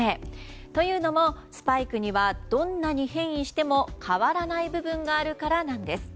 というのもスパイクにはどんなに変異しても変わらない部分があるからなんです。